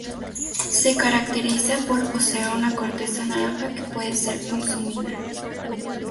Se caracteriza por poseer una corteza naranja que puede ser consumida.